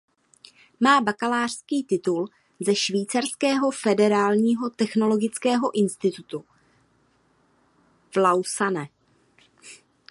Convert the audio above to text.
Má bakalářský titul ze Švýcarského federálního technologického institutu v Lausanne.